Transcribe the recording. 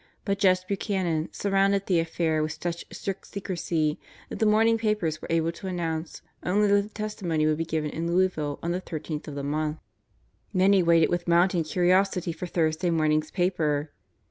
But Jess Buchanan surrounded the affair with such strict secrecy that the morning papers were able to announce only that the testimony would be given in Louisville on the thirteenth of the month. Many waited with mounting curiosity for Thursday morning's paper.